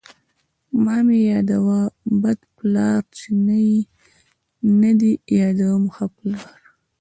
ـ مه مې يادوه بد پلار، چې نه دې يادوم ښه پلار.